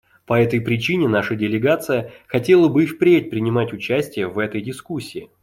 По этой причине наша делегация хотела бы и впредь принимать участие в этой дискуссии.